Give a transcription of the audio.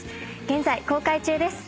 現在公開中です。